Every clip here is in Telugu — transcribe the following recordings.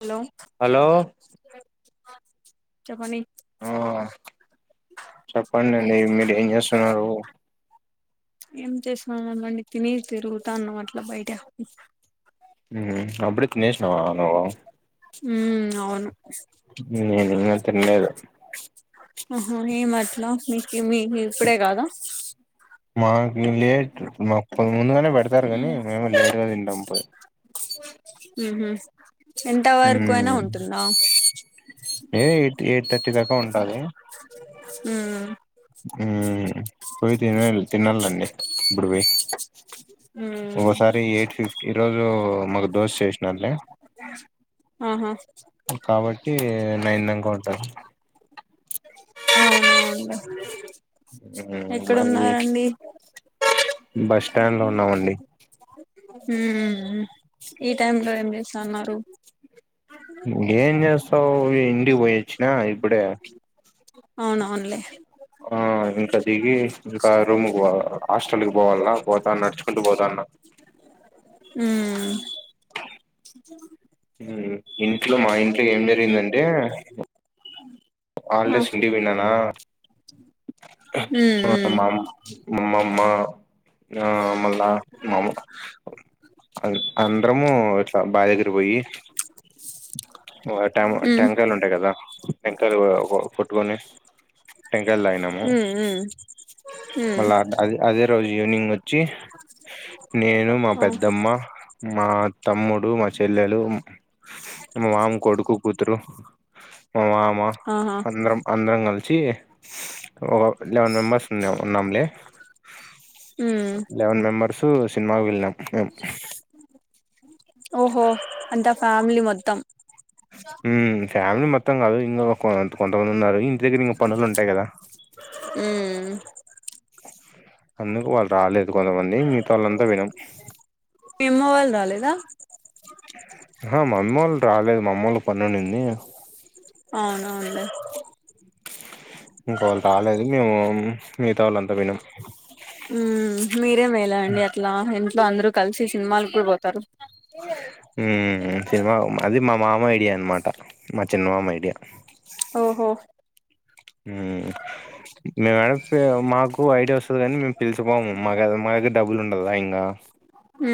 హలో హలో చెప్పండి ఆ చెప్పండండి మీరేం చేస్తున్నారు ఏం [unintelligible] తిని తిరుగుతాన్నాం అట్లా బయట ఉహ్ అప్పుడే తినేష్నవ నువ్ ఉమ్ అవును నేన్ నిజంగా తిన్లేద్ ఆహో మేమట్లా మీక్ మీ మీ ఇప్పుడే కాదా మా మేమ్ లేట్ ముప్ ముందుగానే పెడతారు గానీ మేమే లేటుగ తింటాం పోయ్ హ్మ్ హు ఎంత వరకు అయినా ఉంటుందా ఏ ఎయిట్ ఎయిట్ థర్టీ దాకా ఉంటది ఊమ్ హ్మ్ పోయ్ తినెల్ తీనాలండి ఇప్పుడు పోయ్ ఉ ఒకసారి ఎయిట్ ఫిఫ్టీ ఈ రోజు మాకు దోశ్ యెష్ణారులె ఆహా కాబట్టి నైన్ [unintelligible] అవునువునులే మరి ఎక్కడున్నారండి బస్ స్టాండ్ లో ఉన్నామండి ఊమ్మ్మ్ ఈ టైమ్ లో ఏం చేస్తాన్నారు ఏం చేస్తావు ఇంటికి పోయొచ్చిన ఇప్పుడే అవునవునులే ఆ ఇంక దిగి ఇంక రూమ్కి పో హాస్టల్కి పోవాలా పోతాను నడుచుకుంటూ పోతాన్న ఊ [unintelligible] ఉమ్ ఇంట్లో మా ఇంట్లో ఏం జరిగిందంటే ఆ హాలిడేస్ కి ఇంటికి పోయినన ఉ ఉ మ అమమ్మ ఆ మల్ళ మమ అన్ అందరము ఇట్లా [unintelligible] దగ్గర పోయి ఓగ్ ట ఉ ట ఉంటాయి కదా టెంకాయలు కొట్టుకొని [unintelligible] ఉ ఉ మళ్ళా అదే అదే రోజు ఈవినింగ్ వచ్చి నేను మా ఉ ఆ పెద్దమ్మ మా తమ్ముడు మా చెల్లెలు మా మామ కొడుకు కూతురు మా మామ ఆహా అందరం అందరం కలిచి ఒక లెవెన్ మెంబెర్స్ ఉన్నా ఉన్నాంలే ఉ లెవెన్ మెంబర్స్ సినిమాకి వెళ్లినం [unintelligible] ఓహో అంత ఆ ఫ్యామిలీ మొత్తం ఉమ్మ్ ఫ్యామిలీ మొత్తం గాదు ఇంగో కొంత్ కొంతమందున్నారు ఇంటి దగ్గర ఇంక పనులుంటాయి గదా హు అందుకు వాళ్ళు రాలేదు కొంతమంది మిగత వాళ్ళంతా పోయినం మీ అమ్మ వాళ్ళు రాలేద అహ మమ్మీ వళ్ళు రాలేదు మామ్మోళ్ళ పనీ [unintelligible] అవునవునులే ఇంకో వాళ్ళు రాలేదు మేము మిగత వాళ్ళంతా పోయినం మీరే మేల అండి అట్లా ఇంట్లో అందరు కలిసి సినిమాలకు కూడ పోతారు సినిమా అది మా మామ ఐడియా అనమాట మా చిన్న మామ ఐడియా ఓహో హు మే మడ మాకు ఐడియా వస్తుంది కానీ మేము పిలిచిపోము మా మా దగ్గర డబ్బులు ఉండదా ఇంగ ఉ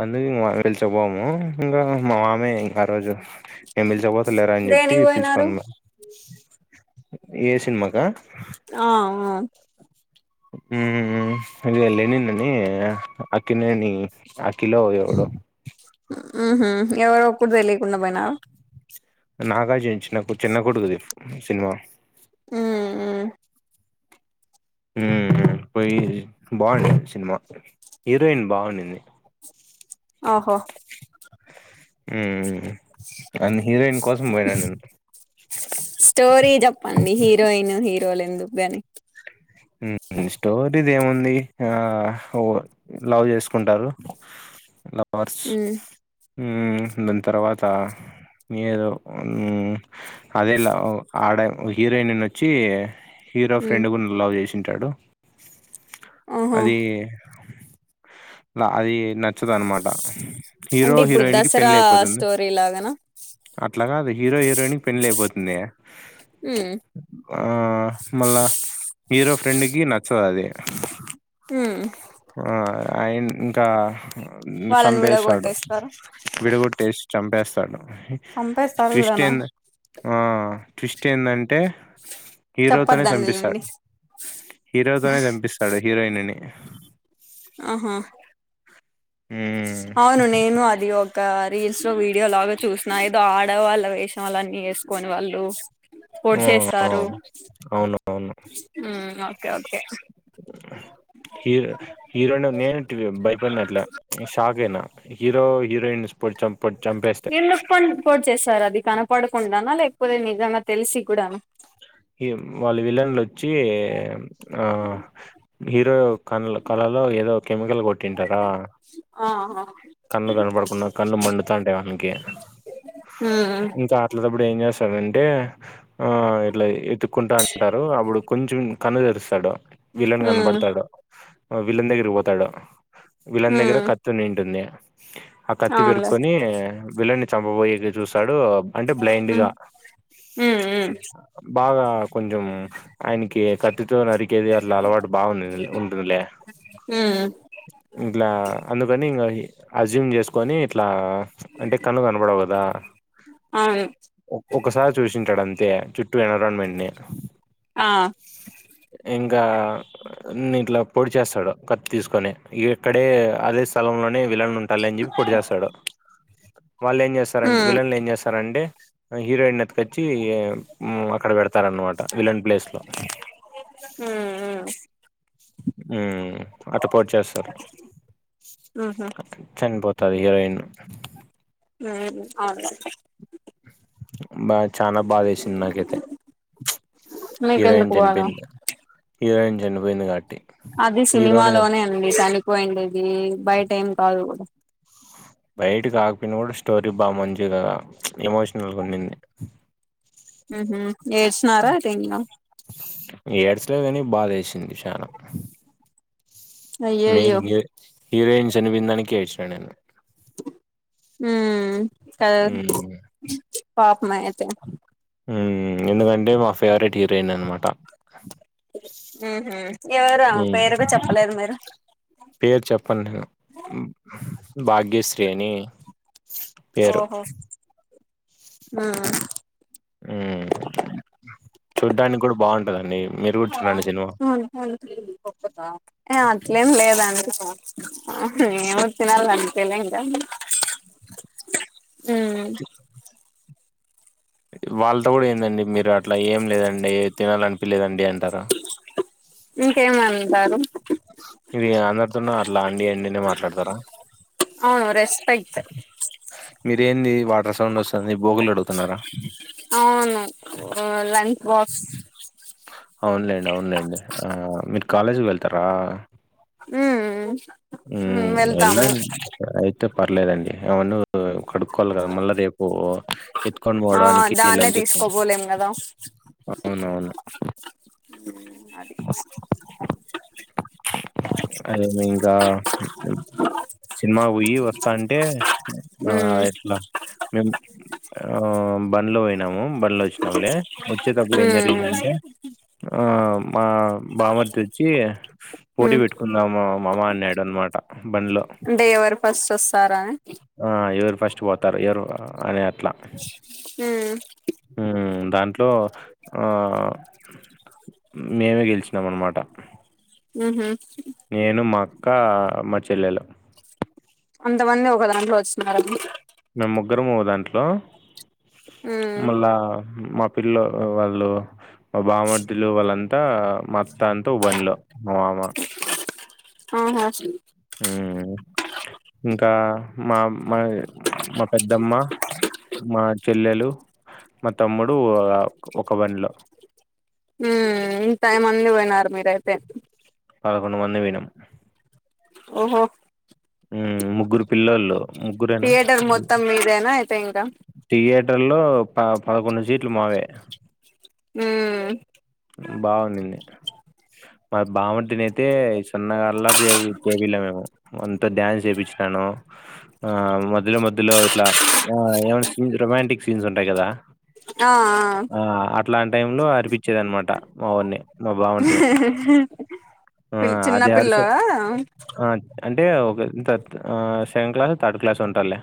అందుకు ఇంకా వెలిచ పోము ఇంకా మా మామే ఇంకా ఆ రోజు [unintelligible] పోతలేరా అన్ జెప్పి దేనికి పోయినారు పిన్సిపల్ ను ఏ సినిమాక ఆ ఆ ఉ అ లేనిన్ అని అక్కినేని అఖిలో ఎవడో ఊహు ఎవరో ఒక్కురు తెలియకుండ పోయినా నాగార్జు చిన్న చిన్న కొడుకుది సినిమా ఉ ఉ ఉ ఉమ్ పోయి బాగుంది సినిమా హీరోయిన్ బాగుండింది బ్లాంక్ ఆహో మ్ వాని హీరోయిన్ కోసం పోయినా నేను. స్టోరీ చెప్పండి హీరోయిన్ హీరోలు ఎందుకు కానీ స్టోరీది ఏముంది ఆ లవ్ చేసుకుంటారు. నా పర్స్, మ్మ్ మ్ దానితర్వాత ఏదో ఉన్ మ్ అదే లవ్ ఆడ హీరోయిన్ వచ్చి హీరో మ్మ్ ఫ్రెండ్ గూడా లవ్ చేసింటాడు ఓహో అదీ అది నచ్చదు అన్నమాట. హీరో అంటే ఇప్పుడు హీరోయిన్ కి దసరా పెళ్లి అయిపోతుంది. స్టోరీ లాగానా అట్లా గాదు, హీరో హీరోయిన్ కి పెళ్లయిపోతుంది. మ్మ్ ఆ మళ్ళా హీరో ఫ్రెండ్ కి నచ్చదు అది. మ్హ్ ఆ ఆయన ఇంకా వాళ్ళని చంపేశాడు. విడగొట్టేస్తారు విడగొట్టేసి చంపేస్తాడు. చంపేస్తారు ట్విస్ట్ కూడానా ఏదంటే ఆ ట్విస్ట్ ఏందంటే హీరోతోనే చెప్పద్దండిలేండి చంపిస్తాడు హీరోతోనే చంపిస్తాడు హీరోయిన్ ని. ఆహా! హ్మ్. అవును నేను అదివోగ్ ఒక రీల్స్ లో వీడియో లాగా చూసిన ఏదో ఆడవాళ్ళ వేషం వాళ్ళన్నీ వేసుకొని వాళ్ళు పొడి ఓహ్! చేస్తారు ఓహ్! అవునవును. ఓకే ఓకే హీరో హీరో నేను భయపడినట్లే షాక్ అయినా. హీరో హీరోయిన్స్ పొడిచి చంప ఎందుకు పొడి చేసారు అది కనపడకుండానా లేకపోతే నిజంగా తెలిసి కూడానా ఈ వాళ్ళు విలన్లు వచ్చి హీరో కండ్ల లో కళలో ఏదో కెమికల్ కొట్టింటారా ఆహా కళ్ళు కనపడుకుండా కళ్ళు మండుతాంటాయి వానికి మ్మ్ ఇంకా ఇట్లా తప్పుడు ఏం చేస్తాడంటే ఆ ఇట్లా ఎత్ కుంటా ఉంటారు. అప్పుడు కొంచెం కన్ను తెరుస్తాడు విలన్ మ్మ్ కనపడతాడు. విలన్ దగ్గరకి పోతాడు. విలన్ దగ్గర మ్మ్ కత్తి ఉన్నింటుంది. ఆ కత్తి అవునులే పెరుకొని విలన్ ని చంపబోయేకి చూస్తాడు. అంటే బ్లైండ్ మ్ గా హూ బాగా కొంచం ఆయనకి కత్తో నరి కేది అట్లా అలవాటు బాగా ఉంటుంది లే మ్మ్ ఇట్లా అందుకని ఇంగ అజ్యూమ్ చేసుకో ని ఇట్లా అంటే కండ్లు కనపడవు కదా? అవును ఒకసారి చూసింటాడు అంతే చుట్టూ ఎన్విరాన్మెంట్ ని ఆ ఇంకా ఇట్లా పొడి చేస్తాడు కత్తి తీసుకొని ఇక్కడే అదే స్థలంలోనే విలన్ ఉంటాడు లే అని చెప్పి పొడి చేస్తాడు. వాళ్ళు ఏం చేస్తారంటే మ్మ్ విలన్లు ఏం చేస్తారంటే? హీరోయిన్ ఎత్తకొచ్చి అక్కడ పెడతారన్నమాట విలన్ ప్లేస్ లో మ్ హుహూ మ్ అట్లా పొడి చేస్తారు. మ్మ్ చనిపోతాది హీరోయిన్. అవును [unintelligible] బా చానా బాధ వేసింది నాకైతే హీరోయిన్ మీకెందుకు బాధ చనిపోయింది. హీరోయిన్ చనిపోయింది కాబట్టి అది హీరోనే చంపి సినిమాలోనే అండి చనిపోయిండిది బైట ఏం కాదు కూడా బయట కాకపోయినా కూడా స్టోరీ బాగా మంచి కదా ఎమోషనల్గా ఉన్నింది ఆహా ఏడ్సినారా అ ఏడ్చలేదు కాని బాధేసింది చాలా మెయిన్ అయ్యయ్యో హీ హీరోయిన్స్ చనిపోయిందానికే ఏడ్చినా నేను హ్మ్మ్ కద ఉమ్ పాపమే అయితే ఉ ఎందుకంటే మా ఫావరెట్ హీరోయిన్ అన్న మాట హ ఎవరు ఆమె ఉమ్ పేరు కూడా చెప్పలేదు మరి పేరు చెప్పన్ నేను భాగ్యశ్రీ అని పేరు ఓహో ఆ ఉమ్ చూడ్డానికి కూడా బాగుంటందండి మీరు కూడా చూడండి సినిమా అవును ఏ అట్లేం లేదండి ఏమో తినాలనిపియలే ఇంకా వాళ్ళతో కూడా ఏందండి మీరు అట్లా ఏం లేదండి తినాలనిపిలేదండి అంటారు ఇంకేమంటారు ఇది అందరితోన అట్లా అండి అండినే మాట్లాడతారా అవును రెస్పెక్ట్ మీర ఏంది వాటర్ సౌండ్ వస్తుంది భోగులు కడుగుతున్నారా అవును లంచ్ బాక్స్ అవునులేండి అవునులేండి ఆ మీరు కాలేజీకి వెళ్తారా ఉమ్ ఉ ఉమ్ వెళ్తాము వెళ్లండి అయితే పర్లేదండి ఏమన్నా కడుక్కోవాలి కదా మళ్ళా రేపు ఎత్తుకొని ఆ పోవడానికి దాన్నే లంచ్ ఎత్క తీసుకోపోలేం కదా అవునవును అది అదే లెండి ఆ సినిమా పోయి వస్తా అంటే ఆ ఉమ్ ఎట్లా మేము బండ్లో పోయినాము బండ్లో వచ్చినాములే వచ్చేటప్పుడు ఏం ఉమ్ జరిగిందంటే ఆ మా బామర్తి వచ్చి పోటీ ఉమ్ పెట్టుకుందామా మామ అన్నాడు అనమాట బండ్లో అంటే ఎవరు ఫస్ట్ వస్తారా ఆ ఎవరు ఫస్ట్ పోతారు ఎవరు అనే అట్లా హ ఉమ్ దాంట్లో ఆ మేమే గెలిచినాం అన్నమాట ఆహ నేను మా అక్క మా చెల్లెలు అంతమంది ఒక దాంట్లో వస్తున్నారని మేము ముగ్గురము ఒక దాంట్లో ఉమ్ మళ్ళా మా పిల్లో వాళ్ళు మా బామర్దులు వాళ్ళంతా మా అత్త అంతా బండిలో మా మామ ఆహా ఇంకా మా మా మా పెద్దమ్మ మా చెల్లెలు మా తమ్ముడు ఒక బంలో హ్మ్ టైం అన్ని పోయినారు మీరైతే పదకొడు మంది పోయినం ఓహో ఊ ముగ్గురు పిల్లల్లో ముగ్గురేనా థియేటర్ మొత్తం మీదేనా అయితే ఇంకా థియేటర్ లో పదకొండు సీట్లు మావే హ్మ్ బాగుడింది మారి బాగుంటనియితే సన్నగా అల్లా చేపిల మేము అంత డా న్స్ ఏపించినాను ఆ మధ్యలో మధ్యలో ఇట్లా ఆ ఏమనా సీన్స్ రొమాంటిక్ సీన్స్ ఉంటాయి కదా ఆ అట్లాంటి టైం లో అరిపించేది అనమాట మావోన్ మా బామర్దదిని హ ఆ అది అడుసు అంటే ఒక సెకండ్ క్లాస్ థర్డ్ క్లాస్ ఉంటాలె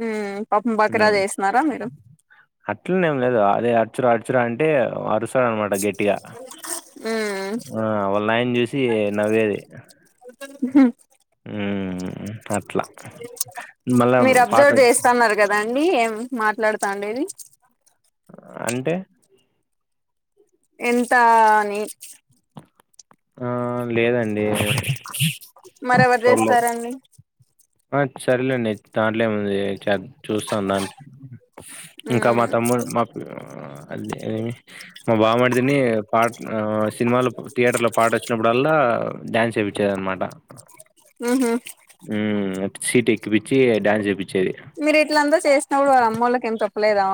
హ్మ్ పాపం బకరా చేసన్నారా మీరు అట్లనేం లేదు అదే అడుచురా అడుచురా అంటే వరుస ఆనమాట గట్టిగా ఉమ్ ఆ వాళ్ళైన్ చూసి నవ్వేది హ్మ్ అట్లా మళ్ళా పాట స్తున్నారు కదా అండి ఏం మాట్లాడుతాండడిది అంటే ఎంత ఆని ఆ లేదండి మరెవరు చూడలేదు చేస్తారండి ఆ సరేలేండి దాంట్లేముంది చె చూస్తాను దన ఇంకా మ్మ్ మా తమ్ముడు మా అదే అదేమి మా బావమరిది ని పాట్ ఆ సినిమాలు థియేటర్ లో పాట వచ్చినప్పుడు ఆల్లా డ్యాన్స్ చేపించేది అనమాట ఆహ ఉ సీట్ ఎక్కిపచ్చి డాన్స్ చేపించేది మీరు ఇట్లంతా చేసినప్పుడు వాళ్ళ అమ్ముల కి ఏం చెప్పలేదా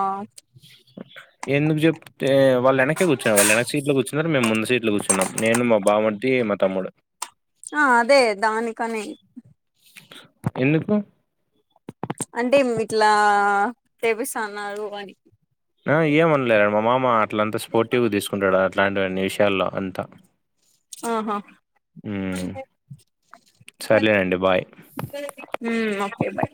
ఎందుకు చెప అంటె వాళ్ళ వెనకే కూర్చున్నారు వాళ్ళ వెనకకి సీట్లు కూర్చున్నారు మేము ముందు సీట్లు కూర్చున్నాం నేను మా బామది మా తమ్ముడు ఆ అదే దానికనే ఎందుకు అంటే ఇట్లా తెపిస్తున్నారు అని ఏమనలే మా మామ అట్ల అంతా ష్పోర్టివ్గా తీసుకుంటాడు అలాంటివన్నీ విషయాల్లో అంతా ఆహా హ్మ్. సర్లేనండి. బాయ్. హ్మ్ ఓకే బాయ